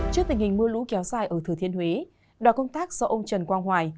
trước tình hình mưa lũ kéo dài ở thừa thiên huế đoàn công tác do ông trần quang hoài